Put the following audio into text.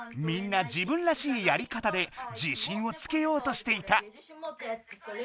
みんな自分らしいやり方で自信をつけようとしていた。